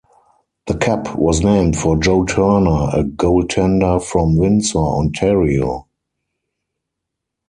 The Cup was named for Joe Turner, a goaltender from Windsor, Ontario.